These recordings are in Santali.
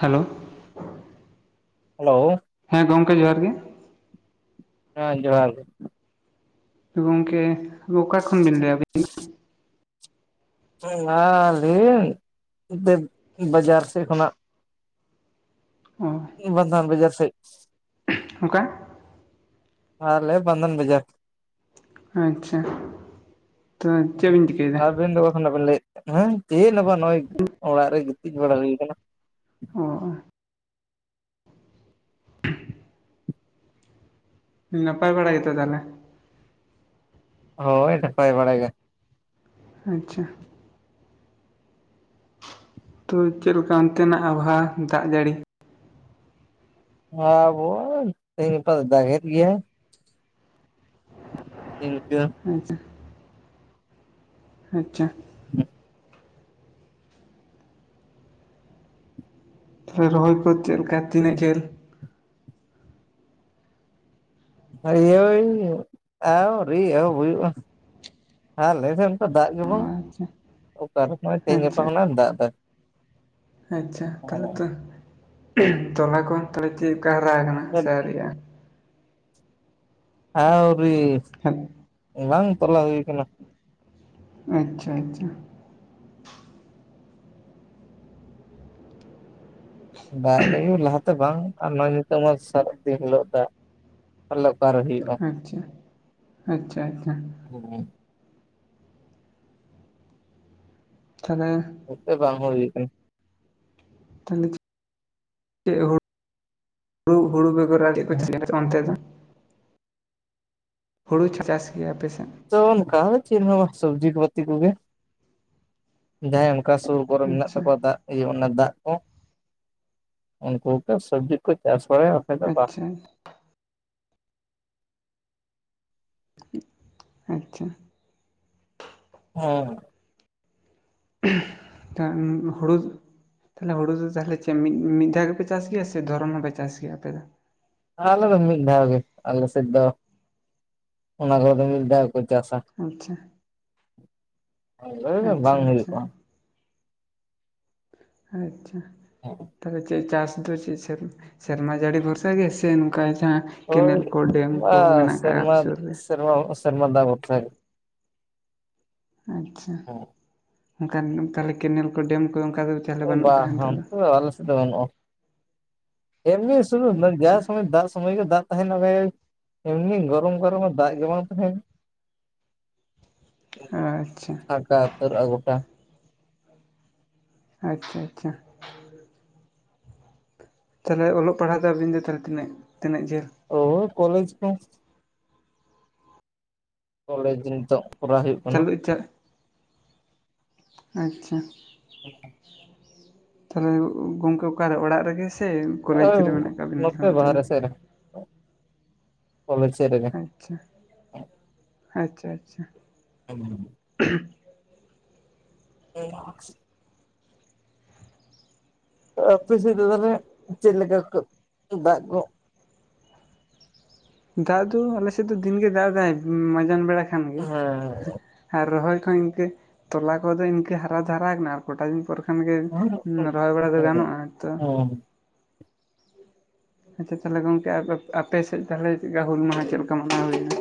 ᱦᱮᱞᱳ ᱦᱮᱞᱳ ᱦᱮᱸ ᱜᱚᱢᱠᱮ ᱡᱚᱦᱟᱸᱨ ᱜᱮ᱾ ᱦᱮᱸ ᱡᱚᱦᱟᱨ ᱜᱮ᱾ ᱜᱚᱝᱠᱮ ᱚᱠᱟ ᱠᱷᱚᱱ ᱵᱤᱱ ᱞᱟᱹᱭᱟᱵᱤᱱ ᱫᱚ᱾ ᱚ ᱞᱟᱹᱭᱟᱹᱧ ᱵᱟᱡᱟᱨ ᱥᱮᱫ ᱠᱷᱚᱱᱟᱜ᱾ [unintelligible] ᱢᱤᱛ ᱵᱟᱨ ᱫᱷᱟᱣ ᱵᱟᱡᱟᱨ ᱥᱟᱡ ᱚᱠᱟ ᱟᱞᱮ ᱵᱟᱫᱚᱱ ᱵᱟᱡᱟᱨ᱾ ᱟᱪᱪᱷᱟ ᱛᱚ ᱪᱮᱫ ᱵᱤᱱ ᱪᱤᱠᱟᱹᱭᱮᱫᱟ ᱟᱵᱤᱱ ᱫᱚ ᱵᱟᱵᱤᱱ ᱞᱟᱹᱭ ᱦᱮᱸ ᱪᱮᱫ ᱦᱚ ᱵᱟᱝ ᱱᱚᱜᱼᱚᱭ ᱚᱲᱟᱜ ᱨᱮ ᱜᱤᱛᱤᱡ ᱵᱟᱲᱟ ᱦᱩᱭ ᱟᱠᱟᱱᱟ᱾ ᱚᱸ᱾ ᱱᱟᱯᱟᱭ ᱵᱟᱲᱟ ᱜᱮᱛᱚ ᱛᱟᱦᱞᱮ? ᱦᱳᱭ ᱱᱟᱯᱟᱭ ᱵᱟᱲᱟ ᱜᱮ᱾ ᱟᱪᱪᱷᱟ᱾ ᱛᱚ ᱪᱮᱫ ᱞᱮᱠᱟ ᱚᱱᱛᱮᱱᱟᱜ ᱟᱵᱚᱦᱟᱣᱟ ᱫᱟᱜ ᱡᱟᱹᱲᱤ? ᱟᱵᱚ ᱫᱚ ᱫᱟᱜ ᱮᱫ ᱜᱮᱭᱟᱭ᱾ ᱤᱱᱠᱟᱹ ᱟᱪᱪᱷᱟ ᱟᱪᱪᱷᱟ᱾ ᱦᱮᱸ᱾ ᱛᱟᱦᱚᱞᱮ ᱨᱚᱦᱚᱭ ᱠᱚ ᱪᱮᱫ ᱞᱮᱠᱟ ᱛᱤᱱᱟᱹᱜ ᱡᱷᱟᱹᱞ? [unintelligible] ᱟᱹᱣᱨᱤ ᱮᱦᱚᱵ ᱦᱩᱭᱩᱜᱼᱟ᱾ ᱦᱮᱸ ᱟᱞᱮ ᱥᱮᱱ ᱫᱚ ᱫᱟᱜᱽ ᱜᱮ ᱵᱟᱱᱩᱜᱽ᱾ ᱟᱪᱪᱷᱟ ᱚᱠᱟ ᱨᱮ ᱦᱚᱜᱚᱭ ᱛᱮᱦᱮᱧ ᱜᱟᱯᱟ ᱟᱪᱪᱷᱟ ᱠᱷᱚᱱᱮ ᱫᱟᱜ ᱫᱟ᱾ ᱟᱪᱪᱷᱟ᱾ ᱛᱟᱦᱚᱞᱮ ᱛᱚ ᱛᱚᱞᱟ ᱠᱚ ᱛᱟᱦᱚᱞᱮ ᱪᱮᱫᱽᱞᱮᱠᱟ ᱦᱟᱨᱟ ᱟᱠᱟᱱᱟ ᱥᱮ ᱟᱣᱨᱤ ᱟᱜ-ᱟ? ᱟᱶᱨᱤ᱾ ᱦᱮᱸ᱾ ᱵᱟᱝ ᱛᱚᱞᱟ ᱦᱩᱭ ᱠᱟᱱᱟ᱾ ᱟᱪᱪᱷᱟ ᱟᱪᱪᱷᱟ᱾ ᱫᱟᱜᱽ ᱡᱟᱹᱲᱤ ᱦᱚ ᱞᱟᱦᱟ ᱛᱮ ᱵᱟᱝ ᱟᱨ ᱱᱚᱜᱚᱭ ᱱᱤᱛᱳᱜ ᱢᱟ ᱥᱟᱨᱟ ᱫᱤᱱ ᱦᱤᱞᱳᱜ ᱫᱟᱜᱽ ᱛᱟᱦᱚᱞᱮ ᱚᱠᱟᱨᱮ ᱦᱳᱭᱳᱜᱼᱟ? ᱟᱪᱪᱷᱟ, ᱟᱪᱪᱷᱟ ᱟᱪᱪᱷᱟ᱾ ᱦᱮᱸ᱾ ᱛᱟᱦᱚᱞᱮ ᱱᱚᱛᱮ ᱵᱟᱝ ᱦᱩᱭ ᱠᱟᱱᱟ᱾ ᱛᱟᱦᱚᱞᱮ ᱦᱩᱲᱩ, ᱦᱩᱲᱩ ᱵᱮᱜᱚᱨ ᱟᱨ ᱪᱮᱫᱽ ᱠᱚ ᱪᱟᱥ ᱜᱮᱭᱟ ᱚᱱᱛᱮ ᱫᱚ? ᱦᱩᱲᱩ ᱠᱚ ᱪᱟᱥ ᱜᱮᱭᱟ ᱟᱯᱮᱥᱮᱱ? ᱛᱚ ᱚᱱᱠᱟ ᱪᱮᱫ ᱦᱚᱸ ᱵᱟᱝ ᱥᱚᱵᱡᱤ ᱠᱚ ᱯᱟᱛᱤ ᱠᱚᱜᱮ, ᱡᱟᱦᱟᱸᱭ ᱚᱱᱠᱟ ᱥᱚᱵ ᱠᱚ ᱨᱮ ᱢᱮᱱᱟᱜ ᱟᱪᱪᱷᱟ ᱛᱟᱠᱚᱣᱟ, ᱫᱟᱜᱽ ᱤᱭᱟᱹ ᱚᱱᱟ ᱫᱟᱜ ᱠᱚ ᱩᱱᱠᱩ ᱠᱚ ᱥᱚᱵᱽᱡᱤ ᱠᱚ ᱪᱟᱥ ᱵᱟᱲᱟᱭᱟ᱾ ᱵᱟᱠᱷᱟᱡ ᱫᱚ ᱵᱟᱝ ᱟᱪᱪᱷᱟ᱾ ᱟᱪᱪᱷᱟ᱾ ᱦᱮᱸ᱾ ᱦᱩᱲᱩ ᱛᱟᱦᱚᱞᱮ ᱦᱩᱲᱩ ᱫᱚ ᱛᱟᱦᱚᱞᱮ ᱢᱤᱫ ᱢᱤᱫ ᱫᱷᱟᱣ ᱜᱮᱯᱮ ᱪᱟᱥ ᱜᱮᱭᱟ ᱥᱮ ᱫᱷᱚᱨᱚᱱ ᱦᱚᱸᱯᱮ ᱪᱟᱥ ᱜᱮᱭᱟ ᱟᱯᱮ ᱫᱚ? ᱟᱞᱮ ᱫᱚ ᱢᱤᱫᱽ ᱫᱷᱟᱣ ᱜᱮ, ᱟᱞᱮᱥᱮᱫ ᱫᱚ ᱚᱱᱟ ᱠᱚ ᱫᱚ ᱢᱤᱫ ᱫᱷᱟᱣ ᱜᱮᱠᱚ ᱪᱟᱥᱟ᱾ ᱟᱪᱪᱷᱟ᱾ ᱟᱪᱪᱷᱟ ᱵᱟᱝ ᱟᱪᱪᱷᱟ ᱦᱩᱭᱩᱜᱼᱟ᱾ ᱟᱪᱪᱷᱟ᱾ ᱦᱚᱸ᱾ ᱛᱟᱦᱚᱞᱮ ᱪᱮᱫᱽ ᱪᱟᱥ ᱫᱚ ᱪᱮᱫᱽ ᱥᱮ ᱥᱮᱨᱢᱟ ᱡᱟᱹᱲᱤ ᱵᱷᱚᱨᱥᱟ ᱜᱮ ᱥᱮ ᱱᱚᱝᱠᱟ ᱡᱟᱦᱟᱸ ᱳᱭ ᱠᱮᱱᱮᱞ ᱠᱚ ᱰᱮᱢ ᱠᱚ ᱵᱟ ᱢᱮᱱᱟᱜ ᱠᱟᱜ-ᱟ ᱥᱮᱨᱢᱟ ᱟᱯᱮ ᱥᱩᱨ ᱨᱮ? ᱥᱮᱨᱢᱟ ᱥᱮᱨᱢᱟ ᱫᱟᱜ ᱵᱷᱚᱨᱥᱟ ᱜᱮ᱾ ᱟᱪᱪᱷᱟ ᱚᱱᱠᱟᱱ ᱛᱟᱦᱚᱞᱮ ᱠᱮᱱᱮᱞ ᱠᱚ ᱰᱮᱢ ᱠᱚᱫᱚ ᱚᱱᱠᱟ ᱫᱚ ᱛᱟᱦᱚᱞᱮ ᱵᱟᱹᱱᱩᱜ ᱠᱟᱜᱼᱟ ᱱᱤᱛᱚᱜ ᱫᱚ ᱵᱟᱝ ᱟᱞᱮ ᱥᱮᱱ ᱫᱚ ᱵᱟᱹᱱᱩᱜᱼᱟ᱾ ᱮᱢᱱᱤ ᱥᱚᱢᱚᱭ ᱟᱪᱪᱷᱟ ᱡᱟᱦᱟ ᱥᱚᱢᱚᱭ ᱫᱟᱜᱽ ᱢᱚᱭ ᱜᱮ ᱫᱟᱜᱽ ᱛᱟᱦᱮᱱᱟ [unintelligible] ᱮᱢᱱᱤ ᱜᱚᱨᱚᱢ ᱜᱚᱨᱚᱢ ᱫᱟᱜ ᱜᱮ ᱵᱟᱝ ᱛᱟᱦᱮᱱᱟ᱾ ᱟᱪᱪᱷᱟ ᱯᱟᱠᱟ ᱩᱛᱟᱹᱨᱚᱜ-ᱟ ᱜᱳᱴᱟ᱾ ᱟᱪᱪᱷᱟ ᱟᱪᱪᱷᱟ ᱛᱟᱦᱚᱞᱮ ᱚᱞᱚᱜ ᱯᱟᱲᱦᱟᱜ ᱫᱚ ᱟᱵᱤᱱ ᱫᱚ ᱛᱤᱱᱟᱹᱜ ᱛᱤᱱᱟᱹᱜ ᱡᱷᱟᱹᱞ? ᱦᱳᱭ ᱠᱚᱞᱮᱡᱽ ᱠᱚ ᱠᱚᱞᱮᱡᱽ ᱱᱤᱛᱚᱜ ᱠᱚᱨᱟᱣ ᱦᱩᱭᱩᱜ ᱠᱟᱱᱟ᱾ ᱪᱟᱹᱞᱩ ᱪᱟ ᱟᱪᱪᱷᱟ [unintelligible] ᱛᱟᱦᱚᱞᱮ ᱜᱚᱝᱠᱮ ᱚᱠᱟᱨᱮ ᱚᱲᱟᱜ ᱨᱮᱜᱮ ᱥᱮ ᱠᱚᱞᱮᱡᱽ ᱨᱮ ᱢᱮᱱᱟᱜ ᱟᱠᱟᱟᱜ ᱵᱤᱱᱟ ᱱᱤᱛ ᱫᱚ? ᱠᱟᱞᱮᱡᱽ ᱥᱮᱫ ᱨᱮᱜᱮ᱾ ᱟᱪᱪᱟ ᱟᱪᱪᱷᱟ ᱟᱪᱪᱷᱟ [unintelligible] [inaudible] ᱦ [unintelligible] ᱚᱯᱮ ᱥᱮᱫ ᱛᱟᱦᱞᱮ ᱪᱮᱫ ᱞᱮᱠᱟ ᱫᱟᱜ ᱠᱚ? ᱫᱟᱜ ᱫᱚ ᱟᱞᱮ ᱥᱮᱫ ᱫᱚ ᱫᱤᱱᱜᱮ ᱫᱟᱜ ᱮ ᱫᱟᱭ ᱢᱟᱡᱟᱱ ᱵᱮᱲᱟ ᱠᱷᱟᱱ ᱜᱮ᱾ ᱦᱮᱸ ᱟᱨ ᱨᱚᱦᱚᱭ ᱠᱚ ᱤᱝᱠᱟᱹ ᱛᱚᱞᱟ ᱠᱚᱫᱚ ᱤᱝᱠᱟᱹ ᱦᱟᱨᱟ ᱫᱚ ᱦᱟᱨᱟ ᱠᱟᱱᱟ ᱟᱨ ᱠᱚᱴᱟ ᱫᱤᱱ ᱯᱚᱨ ᱠᱷᱟᱱ ᱜᱮ ᱨᱚᱦᱚᱭ ᱵᱟᱲᱟ ᱫᱚ ᱦᱮᱸ ᱜᱟᱱᱚᱜ-ᱟ ᱛᱚ᱾ ᱦᱮᱸ ᱟᱪᱪᱷᱟ ᱛᱟᱦᱚᱞᱮ ᱜᱚᱝᱠᱮ ᱟᱯᱮ ᱥᱮᱫ ᱛᱟᱦᱚᱞᱮ ᱪᱮᱫ ᱞᱮᱠᱟ ᱦᱩᱞ ᱢᱟᱦᱟ ᱪᱮᱫ ᱞᱮᱠᱟ ᱢᱟᱱᱟᱣ ᱦᱩᱭᱮᱱᱟ?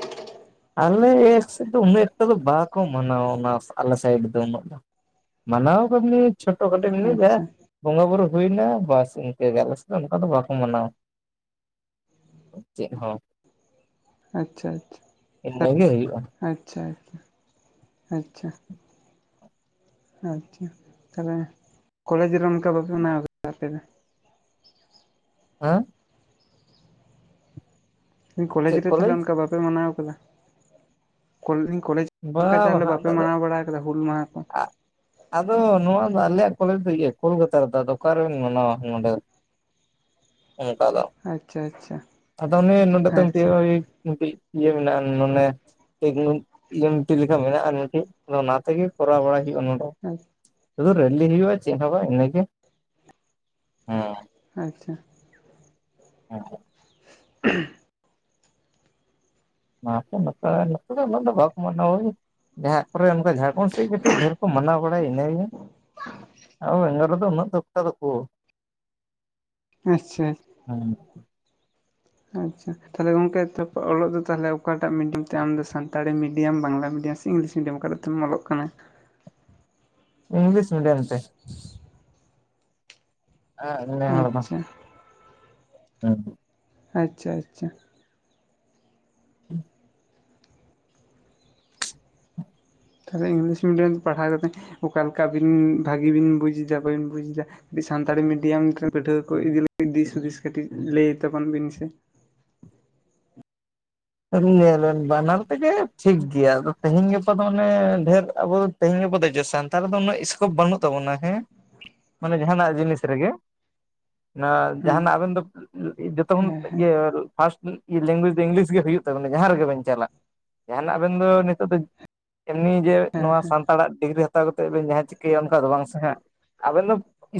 ᱟᱞᱮ ᱥᱮᱫ ᱫᱚ ᱩᱱᱟᱹᱜ ᱮᱠᱴᱟ ᱫᱚ ᱵᱟᱠᱚ ᱢᱟᱱᱟᱣᱟ ᱚᱱᱟ ᱟᱞᱮ ᱥᱟᱭᱤᱰ ᱫᱚ ᱩᱱᱟᱹᱜ ᱫᱚ᱾ ᱢᱟᱱᱟᱣ ᱠᱟᱹᱫᱤᱧᱟᱹ ᱪᱷᱳᱴᱳ ᱠᱚᱫᱚ ᱧᱩᱭ ᱜᱮᱭᱟ ᱟᱪᱪᱷᱟ ᱵᱚᱸᱜᱟ ᱵᱩᱨᱩ ᱦᱩᱭᱱᱟ ᱵᱟᱥ ᱤᱱᱠᱟᱹ ᱜᱮ ᱟᱞᱮ ᱥᱮᱫ ᱫᱚ ᱚᱱᱠᱟ ᱫᱚ ᱵᱟᱠᱚ ᱢᱟᱱᱟᱣᱟ᱾ ᱪᱮᱫ ᱦᱚᱸ ᱟᱪᱪᱷᱟ ᱟᱪᱪᱷᱟ ᱤᱱᱟᱹᱜᱮ ᱦᱩᱭᱩᱜᱼᱟ᱾ ᱟᱪᱪᱷᱟ ᱟᱪᱪᱷᱟ ᱟᱪᱪᱷᱟ ᱟᱪᱪᱷᱟ ᱛᱟᱦᱚᱞᱮ ᱠᱚᱞᱮᱡᱽ ᱨᱮ ᱚᱱᱠᱟ ᱵᱟᱯᱮ ᱢᱟᱱᱟᱣ ᱟᱠᱟᱫᱟ ᱟᱯᱮ ᱫᱚ? ᱦᱮᱸ ᱤ ᱠᱚᱞᱮᱡᱽ ᱨᱮ ᱛᱟᱦᱚᱞᱮ ᱚᱱᱠᱟ ᱵᱟᱯᱮ ᱢᱟᱱᱟᱣ ᱟᱠᱟᱫᱟ ᱤᱧ ᱠᱚᱞᱮᱡᱽ ᱵᱟ ᱚᱱᱠᱟ ᱛᱟᱞᱮ ᱵᱟᱝ ᱵᱟᱯᱮ ᱟᱫᱚ ᱢᱟᱱᱟᱣ ᱵᱟᱲᱟ ᱠᱟᱫᱟ ᱦᱩᱞ ᱢᱟᱦᱟ ᱠᱚ᱾ ᱟᱫᱚ ᱱᱚᱣᱟ ᱫᱚ ᱟᱞᱮᱭᱟᱜ ᱠᱚᱞᱮᱡᱽ ᱫᱚ ᱤᱭᱟᱹ ᱠᱳᱞᱠᱟᱛᱟ ᱨᱮᱫᱚ ᱟᱫᱚ ᱚᱠᱟᱨ ᱨᱮᱵᱮᱱ ᱢᱟᱱᱟᱣᱟ ᱱᱚᱰᱮ᱾ ᱚᱱᱠᱟ ᱫᱚ ᱟᱪᱪᱷᱟ ᱟᱪᱪᱷᱟ ᱟᱫᱚ [unintelligible] ᱫᱚ ᱢᱤᱫᱴᱟᱡ ᱟᱪᱪᱷᱟ ᱤᱭᱟᱹ ᱵᱟᱝ ᱢᱟᱱᱮ ᱯᱨᱮᱜᱮᱱᱮ ᱮᱢᱴᱤ ᱞᱮᱠᱟ ᱢᱮᱱᱟᱜ-ᱟ ᱢᱤᱫᱴᱷᱮᱱ ᱫᱚ ᱚᱱᱟ ᱛᱮᱜᱮ ᱠᱚᱨᱟᱣ ᱵᱟᱲᱟᱭ ᱦᱩᱭᱩᱜ-ᱟ ᱱᱚᱰᱮ ᱟᱪ ᱥᱩᱫᱩ ᱨᱮᱞᱤ ᱦᱩᱭᱩᱜ-ᱟ ᱪᱮᱫ ᱦᱚᱸ ᱵᱟᱝ ᱤᱱᱟᱹᱜᱮ ᱦᱮᱸ ᱟᱪᱪᱷᱟ ᱟᱪᱪᱷᱟ [inaudible] ᱵᱟᱠᱚ [unintelligible] ᱢᱟᱱᱟᱣ ᱡᱟᱦᱟᱸᱜ ᱠᱚᱨᱮ ᱚᱱᱠᱟ ᱡᱷᱟᱲᱠᱷᱚᱱᱰ ᱥᱮᱜ ᱠᱟᱹᱴᱤᱡ ᱰᱷᱮᱨ ᱠᱚ ᱢᱟᱱᱟᱣ ᱵᱟᱲᱟᱭᱟ ᱤᱱᱟᱹ ᱜᱮᱭ᱾ ᱟᱞᱮ ᱫᱚ ᱩᱱᱟᱹᱜ ᱫᱚᱠᱛᱟ ᱫᱚᱠᱚ [unintelligible] ᱦᱩᱸᱻ ᱟᱪᱪᱷᱟ ᱛᱟᱦᱚᱞᱮ ᱜᱚᱝᱠᱮ ᱛᱮ ᱚᱞᱚᱜ ᱫᱚ ᱛᱟᱦᱚᱞᱮ ᱚᱠᱟᱴᱟᱜ ᱢᱤᱰᱤᱭᱟᱢ ᱛᱮ ᱟᱢ Santali medium Bangla medium English medium ᱠᱟᱛᱮᱜ ᱛᱮᱢ ᱚᱞᱚᱜ ᱠᱟᱱᱟ᱾ English medium. ᱛᱮ [unintelligible] ᱟᱪᱪᱷᱟ ᱦᱩᱸ ᱦᱩᱸ ᱟᱪᱪᱷᱟ ᱟᱪᱪᱷᱟ [inaudible] ᱛᱟᱦᱚᱞᱮ ᱤᱝᱞᱤᱥ ᱢᱤᱰᱤᱭᱟᱢ ᱛᱮ ᱯᱟᱲᱦᱟᱣ ᱠᱟ ᱠᱟᱛᱮᱫ ᱚᱠᱟ ᱞᱮᱠᱟᱵᱤᱱ ᱵᱷᱟᱹᱜᱤ ᱵᱤᱱ ᱵᱩᱡᱽ ᱮᱫᱟ ᱵᱟᱹᱤᱱ ᱵᱩᱡᱽ ᱮᱫᱟ? ᱤᱡ ᱥᱟᱱᱛᱟᱲᱤ ᱢᱤᱰᱤᱭᱟᱢ ᱨᱮᱱ ᱯᱟᱹᱴᱷᱩᱣᱟᱹ ᱠᱚ ᱤᱫᱤ ᱫᱤᱥ ᱦᱩᱫᱤᱥ ᱠᱟᱹᱴᱤᱡ ᱞᱟᱹᱭ ᱛᱟᱵᱚᱱ ᱵᱤᱱ ᱥᱮ? ᱧᱮᱞᱮᱱ ᱵᱟᱱᱟᱨ ᱛᱮᱜᱮ ᱴᱷᱤᱠ ᱜᱮᱭᱟ ᱟᱫᱚ ᱛᱮᱦᱤᱧ ᱜᱟᱯᱟ ᱫᱚ ᱚᱱᱮ ᱰᱷᱮᱨ ᱟᱵᱚ ᱛᱮᱦᱮᱧ ᱜᱟᱯᱟ ᱫᱚ ᱡᱮ ᱥᱟᱱᱛᱟᱲ ᱫᱚ ᱩᱱᱟᱹᱜ ᱥᱠᱳᱯ ᱵᱟᱹᱱᱩᱜ ᱛᱟᱵᱚᱱᱟ ᱦᱮᱸ ᱢᱟᱱᱮ ᱡᱟᱦᱟᱸᱱᱟᱜ ᱡᱤᱱᱤᱥ ᱨᱮᱜᱮ ᱚᱱᱟ ᱦᱮᱸ ᱡᱟᱦᱟᱸᱱᱟᱜ ᱟᱵᱮᱱ ᱫᱚ ᱡᱚᱛᱚ ᱠᱷᱚᱱ ᱦᱮᱸ ᱦᱮᱸ ᱤᱭᱟᱹ ᱯᱷᱟᱥᱴ ᱞᱮᱝᱜᱩᱭᱡᱽ ᱫᱚ ᱤᱝᱞᱤᱥ ᱜᱮ ᱦᱩᱭᱩᱜ ᱛᱚ ᱢᱟᱱᱮ ᱡᱟᱦᱟᱸ ᱨᱮᱜᱮ ᱵᱮᱱ ᱪᱟᱞᱟᱜ ᱡᱟᱦᱟᱸᱱᱟᱜ ᱟᱵᱮᱱ ᱫᱚ ᱱᱤᱛᱚᱜ ᱫᱚ ᱮᱢᱱᱤ ᱡᱮ ᱱᱚᱣᱟ ᱦᱮᱸ ᱦᱮᱸ ᱦᱮᱸ ᱥᱟᱱᱛᱟᱲᱟᱜ ᱰᱤᱜᱽᱨᱤ ᱦᱟᱛᱟᱣ ᱠᱟᱛᱮ ᱵᱮᱱ ᱡᱟᱦᱟᱸ ᱪᱤᱠᱟᱹᱭᱼᱟ ᱚᱱᱠᱟ ᱫᱚ ᱵᱟᱝ ᱥᱮ ᱦᱟᱜ ᱟᱵᱮᱱ ᱫᱚ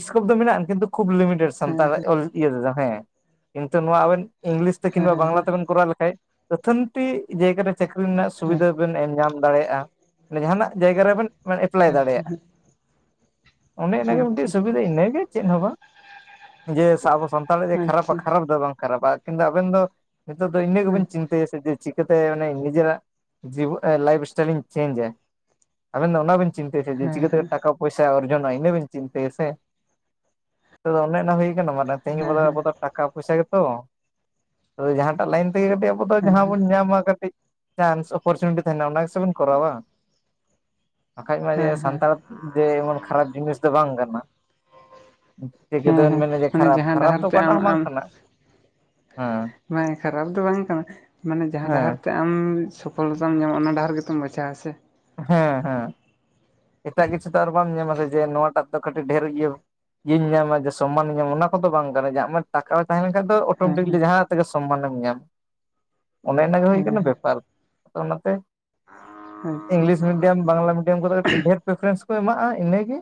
ᱥᱠᱳᱯ ᱫᱚ ᱢᱮᱱᱟᱜ ᱠᱤᱱᱛᱩ ᱠᱷᱩᱵ ᱞᱤᱢᱤᱴᱮᱰ᱾ ᱦᱮᱸ ᱥᱟᱱᱛᱟᱲ ᱚᱞ ᱤᱭᱟᱹ ᱛᱮᱫᱚ ᱦᱮᱸ ᱠᱤᱱᱛᱩ ᱱᱚᱣᱟ ᱟᱵᱮᱱ ᱤᱝᱞᱤᱥ ᱛᱮ ᱠᱤᱝᱵᱟ ᱦᱮᱸ ᱵᱟᱝᱞᱟ ᱦᱮᱸ ᱛᱮᱵᱮᱱ ᱠᱚᱨᱟᱣ ᱞᱮᱠᱷᱟᱡ ᱟᱛᱷᱟᱹᱱᱴᱤ ᱡᱟᱭᱜᱟ ᱨᱮ ᱪᱟᱹᱠᱨᱤ ᱨᱮᱱᱟᱜ ᱦᱮᱸ ᱥᱩᱵᱤᱫᱷᱟ ᱦᱮᱸ ᱵᱮᱱ ᱮᱢ ᱧᱟᱢ ᱫᱟᱲᱮᱭᱟᱜᱼᱟ, ᱡᱟᱦᱟᱱᱟᱜ ᱡᱟᱭᱜᱟ ᱨᱮᱵᱮᱱ ᱮᱯᱞᱟᱭ ᱟᱪᱪᱷᱟ ᱫᱟᱲᱮᱭᱟᱜᱼᱟ᱾ ᱦᱮᱸ ᱚᱱᱮ ᱮᱱᱮ ᱜᱮ ᱢᱤᱫᱴᱮᱱ ᱟᱪᱪᱷᱟ ᱥᱩᱵᱤᱫᱷᱟ ᱤᱱᱟᱹᱜᱮ ᱪᱮᱫ ᱦᱚᱸ ᱵᱟᱝ ᱡᱮ ᱥᱟᱵᱚᱥᱚᱱ ᱛᱟᱞᱮ ᱡᱮ ᱠᱷᱟᱨᱟᱵᱽ-ᱟ ᱟᱪᱪᱷᱟ ᱟᱪᱪᱷᱟ ᱠᱷᱟᱨᱟᱵᱽ ᱫᱚ ᱵᱟᱝ ᱠᱷᱟᱨᱟᱵᱟ ᱠᱤᱱᱛᱩ ᱟᱵᱮᱱ ᱫᱚ ᱱᱤᱛᱚᱜ ᱫᱚ ᱤᱱᱟᱹᱜ ᱦᱮᱸ ᱦᱮᱸ ᱜᱮᱵᱮᱱ ᱪᱤᱠᱟᱹᱛᱮ ᱥᱮ ᱪᱤᱠᱟᱹᱛᱮ ᱢᱟᱱᱮ ᱱᱤᱡᱮᱨᱟᱜ ᱡᱤᱵᱩ ᱮ ᱞᱟᱭᱤᱯᱷ ᱥᱴᱟᱭᱤᱞ ᱤᱧ ᱪᱮᱧᱡᱟ? ᱟᱵᱮᱱ ᱫᱚ ᱚᱱᱟ ᱵᱮᱱ ᱪᱤᱱᱛᱟᱹᱭ ᱭᱟ ᱦᱮᱸ ᱡᱮ ᱪᱤᱠᱟᱹᱛᱮ ᱦᱮᱸ ᱴᱟᱠ ᱯᱚᱭᱥᱟ ᱚᱨᱡᱚᱱᱟ ᱤᱱᱟᱹᱵᱤᱱ ᱪᱤᱱᱛᱟᱹᱭᱟ ᱥᱮ ᱛᱟᱫᱚ ᱚᱱᱮ ᱚᱱᱟ ᱦᱩᱭ ᱜᱮ ᱱᱚᱣᱟᱱᱟ ᱛᱮᱦᱮᱧ ᱜᱮᱵᱚᱫᱚ ᱦᱮᱸ ᱟᱵᱚ ᱫᱚ ᱴᱟᱠᱟ ᱯᱩᱭᱥᱟ ᱜᱮ ᱛᱚ ᱟᱫᱚ ᱡᱟᱦᱟᱸ ᱴᱟᱜ ᱞᱟᱭᱱ ᱛᱮ ᱜᱮ ᱠᱟᱹᱴᱤᱡ ᱟᱵᱚ ᱫᱚ ᱡᱟᱦᱟᱸ ᱵᱚᱱ ᱧᱟᱢᱟ ᱠᱟᱹᱴᱤᱡ ᱪᱟᱱᱥ ᱚᱯᱚᱨᱪᱩᱱᱤᱴᱤ ᱛᱟᱦᱮᱱᱟ ᱚᱱᱟ ᱜᱮ ᱥᱮ ᱵᱮᱱ ᱠᱚᱨᱟᱣᱟ᱾ ᱵᱟᱠᱷᱟᱡ ᱢᱟ ᱡᱮ ᱦᱮᱸ ᱦᱮᱸ ᱥᱟᱱᱛᱟᱲ ᱡᱮ ᱮᱢᱚᱱ ᱠᱷᱟᱨᱟᱵᱽ ᱡᱤᱱᱤᱥ ᱫᱚ ᱵᱟᱝ ᱠᱟᱱᱟ᱾ ᱪᱤᱠᱟᱹᱛᱮᱣᱮᱱ ᱦᱮᱸ ᱢᱮᱱᱟ ᱡᱮ ᱢᱟᱱᱮ ᱠᱷᱟᱨᱟᱯ ᱡᱟᱦᱟᱸ ᱠᱷᱟᱨᱟᱯ ᱰᱟᱦᱟᱨ ᱫᱚ ᱛᱮ ᱚᱠᱟᱴᱟᱜ ᱟᱢ ᱦᱚᱸ ᱵᱟᱝ ᱠᱟᱱᱟ ᱦᱮᱸ᱾ ᱢᱟᱱ ᱠᱷᱟᱨᱟᱵᱽ ᱫᱚ ᱵᱟᱝ ᱠᱟᱱᱟ ᱢᱟᱱᱮ ᱡᱟᱦᱟᱸ ᱦᱮᱸ ᱰᱟᱦᱟᱨ ᱛᱮ ᱟᱢ ᱥᱚᱯᱷᱚᱞᱚᱛᱟᱢ ᱧᱟᱢᱟ ᱚᱱᱟ ᱰᱟᱦᱟᱨ ᱜᱮᱛᱚᱢ ᱵᱟᱪᱷᱟᱣᱟ ᱥᱮ᱾ ᱦᱮᱸ ᱦᱮᱸ ᱮᱴᱟᱜ ᱠᱤᱪᱷᱩ ᱛᱚ ᱟᱨ ᱵᱟᱢ ᱧᱟᱢᱟ ᱥᱮ ᱡᱮ ᱱᱚᱣᱟᱴᱟᱜ ᱠᱟᱹᱴᱤᱡ ᱰᱷᱮᱨ ᱤᱭᱟᱹᱣ ᱤᱧ ᱧᱟᱢᱟ ᱡᱮ ᱥᱚᱢᱟᱱᱤᱧ ᱧᱟᱢᱟ ᱚᱱᱟ ᱠᱚᱫᱚ ᱵᱟᱝ ᱠᱟᱱᱟ ᱟᱢᱟᱜ ᱴᱟᱠᱟ ᱛᱟᱦᱮ ᱞᱮ᱾ ᱵᱟᱠᱷᱟ ᱫᱚ ᱦᱮᱸ ᱚᱴᱳᱢᱮᱴᱤᱠᱞᱤ ᱦᱮᱸ ᱡᱟᱦᱟᱸ ᱛᱮᱜᱮ ᱥᱚᱢᱟᱱᱮᱢ ᱧᱟᱢᱟ ᱚᱱᱮ ᱚᱱᱮ ᱤᱱᱟᱹᱜᱮ ᱦᱩᱭ ᱦᱮᱸ ᱠᱟᱱᱟ ᱵᱮᱯᱟᱨ᱾ ᱛᱚ ᱚᱱᱟ ᱛᱮ ᱦᱮᱸ ᱟᱪᱪᱷᱟ ᱦᱮᱸ ᱤᱝᱜᱽᱞᱤᱥ ᱢᱤᱰᱤᱭᱟᱢ ᱵᱟᱝᱞᱟ ᱢᱤᱰᱤᱭᱟᱢ ᱠᱚᱫᱚ ᱠᱟᱹᱴᱤᱡ ᱰᱷᱮᱨ ᱯᱨᱤᱯᱷᱮᱨᱮᱱᱥ ᱠᱚ ᱮᱢᱟᱜᱼᱟ ᱤᱱᱟᱹᱜᱮ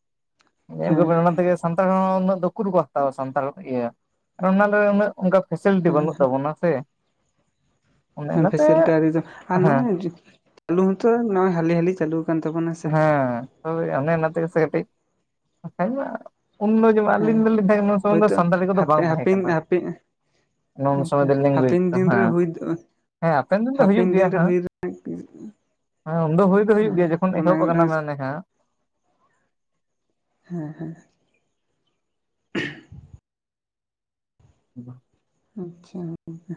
᱾ ᱮᱢ ᱜᱮ ᱦᱮᱸ ᱵᱤᱱ ᱚᱱᱟᱛᱮᱜᱮ ᱥᱟᱱᱛᱟᱲ ᱦᱚᱸ ᱩᱱᱟᱹᱜ ᱫᱚ ᱩᱠᱩᱨ ᱠᱚ ᱦᱟᱛᱟᱣᱟ ᱥᱟᱱᱛᱟᱲ ᱤᱭᱟᱹ ᱟᱫᱚ ᱚᱱᱟ ᱫᱚ ᱩᱱᱟᱹᱜ ᱾ ᱚᱝᱠᱟ ᱯᱷᱮᱥᱮᱞᱤᱴᱤ ᱵᱟᱹᱱᱩᱜ ᱛᱟᱵᱚᱱᱟ ᱥᱮ ᱚᱱᱮ ᱦᱮᱸ ᱚᱱᱟᱛᱮ ᱯᱷᱮᱥᱮᱞᱤᱴᱤ ᱟᱹᱨᱤ ᱫᱚ ᱟᱨ ᱦᱮᱸ ᱱᱚᱜᱼᱚᱭ ᱞᱩᱢᱛᱷᱟᱹ ᱱᱚᱜᱚᱭ ᱦᱟᱹᱞᱤ ᱦᱟᱹᱞᱤ ᱪᱟᱹᱞᱩ ᱟᱠᱟᱱ ᱛᱟᱵᱚᱱᱟ ᱥᱮ ᱦᱮᱸ [unintelligible] ᱚᱱᱮ ᱚᱱᱟ ᱛᱮᱜᱮ ᱥᱮ ᱠᱟᱹᱴᱤᱡ ᱩᱱ ᱫᱚ ᱡᱮᱢᱚᱱ ᱟᱹᱞᱤᱧ ᱦᱮᱸ ᱫᱚᱞᱤᱧ ᱛᱟᱦᱮᱸ ᱠᱟᱱᱟ ᱩᱱ ᱥᱩᱢᱚᱭ ᱫᱚ ᱦᱳᱭᱛᱳ ᱥᱟᱱᱛᱟᱞᱤ ᱠᱚᱫᱚ ᱦᱟᱯᱮ ᱵᱟᱝ ᱛᱟᱦᱮᱸ ᱦᱟᱯᱮᱱ ᱠᱟᱱᱟ ᱦᱟᱯᱮ ᱾ ᱱᱚᱣᱟᱢ ᱥᱚᱢᱚᱭ ᱫᱚ ᱞᱤᱸᱜᱩᱭ ᱦᱟᱯᱮᱱ ᱫᱚ ᱫᱤᱱ ᱨᱮ ᱦᱮᱸ ᱦᱩᱭ ᱾ ᱦᱮᱸ ᱦᱟᱯᱮᱱ ᱫᱤᱱ ᱫᱚ ᱦᱩᱭᱩᱜ ᱜᱮᱭᱟ ᱫᱤᱱ ᱨᱮ ᱦᱟᱸᱜ ᱦᱩᱭ ᱨᱮᱱᱟᱜ ᱦᱮᱸ ᱩᱱ ᱫᱚ ᱦᱩᱭ ᱫᱚ ᱦᱩᱭᱩᱜ ᱜᱮᱭᱟ ᱦᱮᱸ ᱠᱷᱚᱱ ᱚᱱᱟ ᱮᱦᱚᱵ ᱟᱠᱟᱱᱟ ᱢᱤᱫᱴᱟᱝ ᱢᱟᱱᱮ ᱦᱟᱸᱜ ᱾ ᱦᱩᱸᱦᱩᱸ [unintelligible] [unintelligible] ᱟᱪᱷᱟ [unintelligible]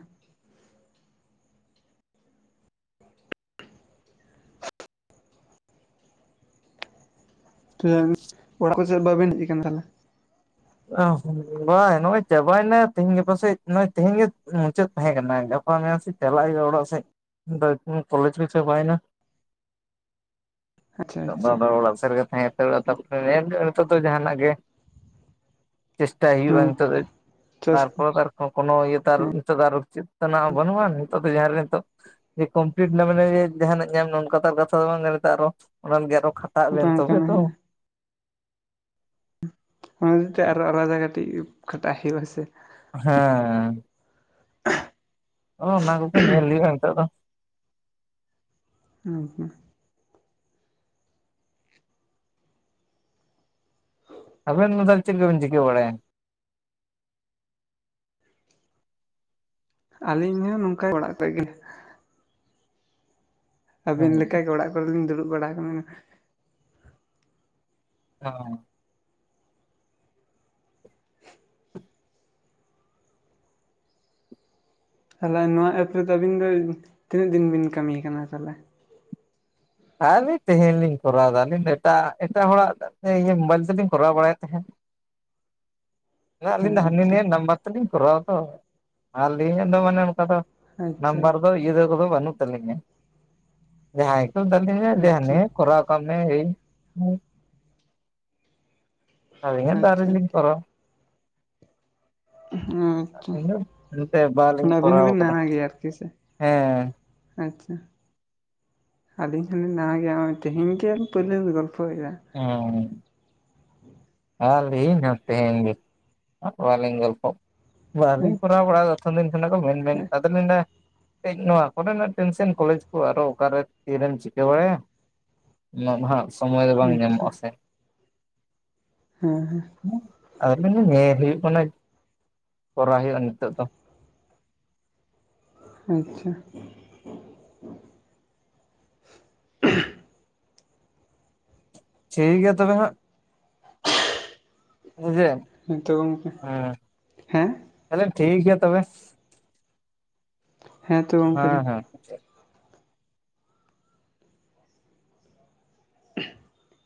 [unintelligible] ᱛᱮᱱ ᱚᱲᱟᱜ ᱠᱚ ᱪᱮᱫ ᱵᱟᱵᱮᱱ ᱦᱮᱡ ᱟᱠᱟᱱ ᱛᱟᱦᱚᱞᱮ? [unintelligible] ᱱᱚᱜᱼᱚᱭ ᱪᱟᱵᱟᱭᱮᱱᱟ ᱛᱦᱤᱧ ᱜᱟᱯᱟᱥᱮᱡ ᱱᱚᱜᱼᱚᱭ ᱛᱮᱦᱮᱧ ᱜᱮ ᱢᱩᱪᱟᱹᱫ ᱛᱟᱦᱮᱸ ᱠᱟᱱᱟ ᱜᱟᱯᱟ ᱢᱮᱭᱟᱝ ᱥᱮ ᱪᱟᱞᱟᱜ ᱤᱧ ᱚᱲᱟᱜ ᱥᱮᱫ [unintelligible] ᱠᱚᱞᱮᱡᱽ ᱦᱚᱸᱪᱟᱵᱟᱭᱱᱟ ᱾ ᱟᱪᱪᱷᱟ ᱛᱚᱜ ᱫᱚ ᱟᱪᱪᱷᱟ ᱟᱫᱚ ᱚᱲᱟᱜ ᱥᱮᱫ ᱨᱮᱜᱮ ᱛᱟᱦᱮᱸ [unintelligible] ᱱᱤᱛᱚᱜ ᱫᱚ ᱡᱟᱦᱟᱱᱟᱜ ᱜᱮ ᱪᱮᱥᱴᱟᱭ ᱦᱮᱸ ᱦᱩᱭᱩᱜᱼᱟ ᱱᱤᱛᱚᱜ ᱫᱚ ᱪᱟᱥ ᱛᱟᱨᱯᱚᱨ ᱠᱚ ᱠᱚᱱᱳ ᱤᱭᱟᱹ ᱛᱟᱨ ᱱᱤᱛᱚᱜ ᱫᱚ ᱟᱨ ᱩᱪᱤᱛ ᱛᱟᱱᱟ ᱵᱟᱹᱱᱩᱜᱟᱱ ᱱᱤᱛᱚᱜ ᱫᱚ ᱡᱟᱦᱟᱸ ᱱᱤᱛᱚᱜ ᱡᱮ ᱠᱚᱢᱯᱞᱤᱴ ᱱᱟ ᱢᱟᱱᱮ ᱡᱟᱦᱱᱟᱜ ᱧᱟᱢ ᱱᱚᱝᱠᱟ ᱛᱚ ᱟᱨ ᱠᱟᱛᱷᱟ ᱫᱚ ᱵᱟᱝ ᱾ ᱠᱷᱟᱴᱟᱜ ᱵᱮᱱ ᱵᱟᱝ ᱛᱚᱵᱮ ᱠᱟᱱᱟ ᱛᱚ ᱦᱮᱸ ᱾ ᱚᱱᱛᱮ ᱟᱨᱟ ᱟᱨᱟ ᱡᱟᱭ ᱠᱟᱴᱤᱡ ᱠᱷᱟᱴᱟᱜ ᱦᱩᱭᱩᱜ-ᱟ ᱦᱮᱸ ᱥᱮ ᱾ ᱦᱮᱸ ᱚ ᱚᱱᱟ ᱠᱚᱜᱮ ᱧᱮᱞ ᱦᱩᱭᱩᱜᱼᱟ ᱱᱤᱛᱚᱜ ᱫᱚ᱾ ᱩ ᱦᱩᱜ ᱟᱵᱮᱱ ᱢᱚᱛᱚ ᱪᱮᱫ ᱠᱚ ᱵᱤᱧ ᱪᱤᱠᱟᱹ ᱵᱟᱲᱟᱭᱟ? ᱟᱹᱞᱤᱧ ᱦᱚᱸ ᱱᱚᱝᱠᱟᱭ ᱚᱲᱟᱜ [unintelligible] ᱨᱮ ᱜᱮ ᱦᱮᱸ ᱟᱵᱤᱱ ᱞᱮᱠᱟᱜᱮ ᱚᱲᱟᱜ ᱠᱚᱨᱮ ᱞᱤᱧ ᱫᱩᱲᱩᱵ ᱵᱟᱲᱟ ᱠᱟᱱᱟ᱾ [unintelligible] ᱛᱟᱞᱦᱮ ᱱᱚᱣᱟ ᱮᱯ ᱨᱮᱫᱚ ᱟᱹᱵᱤᱱ ᱫᱚ ᱛᱤᱱᱟᱹᱜ ᱫᱤᱱ ᱵᱤᱱ ᱠᱟᱹᱢᱤᱭᱟ ᱠᱟᱱᱟ ᱛᱟᱞᱦᱮ? ᱟᱹᱞᱤᱧ ᱛᱮᱦᱮᱧ ᱞᱤᱧ ᱠᱚᱨᱟᱣ ᱮᱫᱟ ᱟᱹᱞᱤᱧ ᱫᱚ ᱮᱴᱟᱜ ᱮᱴᱟᱜ ᱦᱚᱲᱟᱜ ᱤᱭᱟᱹ ᱢᱳᱵᱟᱭᱤᱞ ᱛᱮᱞᱤᱧ ᱠᱚᱨᱟᱣ ᱵᱟᱲᱟᱭᱮᱫ ᱛᱟᱦᱮᱸᱫ᱾ ᱦᱮᱸ ᱟᱹᱞᱤᱧ ᱫᱚ ᱦᱟᱹᱱᱤ ᱟᱪᱪᱷᱟ ᱱᱤᱭᱟᱜ ᱱᱟᱢᱵᱟᱨ ᱛᱮᱞᱤᱧ ᱠᱚᱨᱟᱣᱟ ᱛᱚ ᱟᱨ ᱟᱹᱞᱤᱧᱟᱜ ᱫᱚ ᱢᱟᱱᱮ ᱚᱱᱠᱟ ᱫᱚ ᱟᱪᱪᱷᱟ ᱱᱟᱢᱵᱟᱨ ᱫᱚ ᱤᱭᱟᱹ ᱠᱚᱫᱚ ᱵᱟᱹᱱᱩᱜ ᱛᱟᱞᱤᱧᱟ ᱡᱟᱦᱟᱸᱭ [unintelligible] ᱫᱮ ᱦᱟᱱᱤ ᱟᱪᱪᱷᱟ ᱠᱚᱨᱟᱣ ᱠᱟᱜ ᱢᱮ ᱮᱭ ᱟᱞᱤᱧᱟᱜ ᱫᱚ ᱟᱪᱪᱷᱟ ᱟᱨᱤᱞᱤᱧ ᱠᱚᱨᱟᱣᱟ ᱟᱪᱪᱷᱟ ᱟᱹᱞᱤᱧ ᱫᱚ ᱱᱚᱛᱮ ᱢᱟᱱᱮ ᱵᱟᱞᱤᱧ ᱟᱹᱵᱤᱱ ᱠᱚᱨᱟᱣ ᱦᱚᱸᱵᱤᱱ ᱟᱠᱟᱫᱟ ᱱᱟᱣᱟ ᱜᱮᱭᱟ ᱟᱨᱠᱤ ᱥᱮ? ᱦᱮᱸ ᱟᱪᱪᱷᱟ ᱟᱹᱞᱤᱧ [unintelligible] ᱢᱟᱨᱟᱝ ᱜᱮᱭᱟ ᱱᱚᱜᱚᱭ ᱛᱮᱦᱮᱧ ᱜᱮᱞ ᱯᱳᱭᱞᱳᱧ ᱜᱚᱞᱯᱷᱚᱭᱮᱜ-ᱟ᱾ ᱚ ᱟᱨ ᱞᱤᱧ [unintelligible] ᱛᱤᱦᱮᱱ ᱜᱮ ᱟᱨ ᱞᱤᱧᱜᱚᱞᱯᱚ ᱵᱟᱞᱤᱧ ᱠᱚᱨᱟᱣ ᱟᱪᱪᱷᱟ ᱵᱟᱲᱟ ᱢᱮᱛᱟ ᱫᱤᱱ ᱛᱟᱦᱮ ᱠᱚ ᱢᱮᱱ ᱢᱮᱱ ᱟᱫᱟ ᱞᱮᱧ ᱞᱟᱹᱭᱟ ᱛᱮᱧ ᱱᱚᱣᱟ ᱠᱚᱨᱮᱱᱟᱜ ᱴᱮᱱᱥᱚᱱ ᱠᱚᱞᱮᱡᱽ ᱠᱚ ᱟᱨᱚ ᱚᱠᱟᱨᱮ ᱛᱤᱨᱮᱢ ᱪᱤᱠᱟᱹ ᱵᱟᱲᱟᱭᱟ ᱱᱚᱣᱟ ᱢᱟ ᱦᱟᱜ ᱥᱚᱢᱚᱭ ᱨᱮ ᱵᱟᱝ ᱟᱪᱪᱷᱟ ᱧᱟᱢᱚᱜᱼᱟ ᱥᱮ ᱦᱮᱸ ᱦᱮᱸ [unintelligible] ᱱᱮᱞ ᱦᱩᱭᱩᱜ ᱠᱟᱱᱟ ᱠᱚᱨᱟᱣ ᱦᱩᱭᱩᱜᱼᱟ ᱱᱤᱛᱳ ᱫᱚ ᱟᱪᱪᱷᱟ [inaudible] ᱴᱷᱤᱠ ᱜᱮᱭᱟ ᱛᱚᱵᱮ ᱦᱟᱸᱜ᱾ [unintelligible] ᱱᱤᱛᱚᱜ ᱜᱚᱝᱠᱮ ᱦᱮᱸ ᱛᱟᱦᱚᱞᱮ ᱴᱷᱤᱠ ᱜᱮᱭᱟ ᱛᱚᱵᱮ ᱦᱮᱸ ᱛᱚ ᱜᱚᱢᱠᱮ ᱦᱮᱸ ᱦᱮᱸ [inaudible]